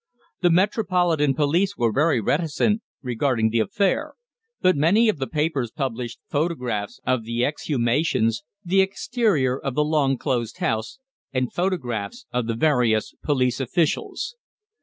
The metropolitan police were very reticent regarding the affair, but many of the papers published photographs of the scene of the exhumations, the exterior of the long closed house, and photographs of the various police officials.